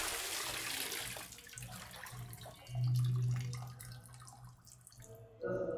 Ni mwanafunzi shupavu